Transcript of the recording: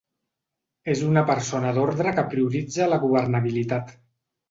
És una persona d’ordre que prioritza la governabilitat.